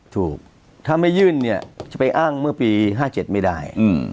ถูกถ้าไม่ยื่นเนี่ยจะไปอ้างเมื่อปี๕๗ไม่ได้